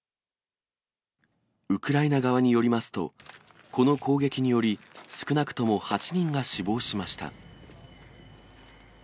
ウクライナ側によりますと、この攻撃により少なくとも８人が死亡しました。